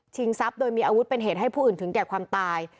ทรัพย์โดยมีอาวุธเป็นเหตุให้ผู้อื่นถึงแก่ความตาย